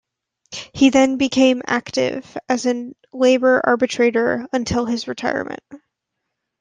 He then became active as a labour arbitrator until his retirement.